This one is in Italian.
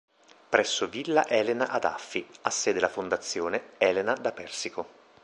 Presso villa Elena ad Affi, ha sede la Fondazione "Elena da Persico".